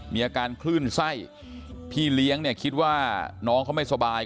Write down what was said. มีอาการคลื่นไส้พี่เลี้ยงเนี่ยคิดว่าน้องเขาไม่สบาย